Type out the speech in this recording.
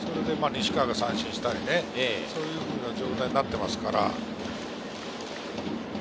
西川が三振したり、そういうことになってますから。